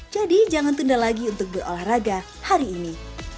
jadi jangan tunda lagi untuk berolahraga hari ini